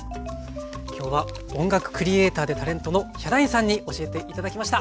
今日は音楽クリエーターでタレントのヒャダインさんに教えて頂きました。